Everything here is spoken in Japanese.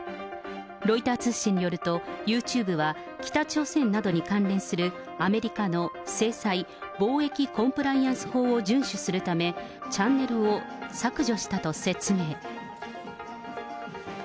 ロイター通信によると、ユーチューブは北朝鮮などに関連するアメリカの制裁・貿易コンプライアンス法を順守するため、チャンネルを削除したと説明。